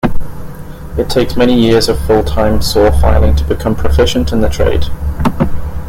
It takes many years of full-time saw filing to become proficient in the trade.